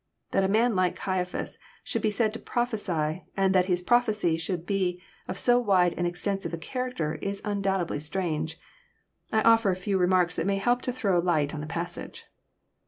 That a man like Caiaphas should be said to prophesy, and that his prophecy should be of so wide and exten sive a character, is undoubtedly strange. I offer a few remarks that may help to throw light on the passage.